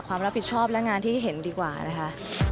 ความรับผิดชอบและงานที่เห็นดีกว่านะคะ